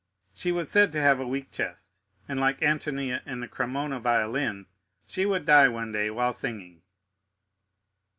She was said to have a weak chest, and like Antonia in the Cremona Violin, she would die one day while singing.